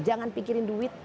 jangan pikirin duit